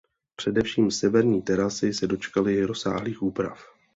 Především severní terasy se dočkaly rozsáhlých úprav.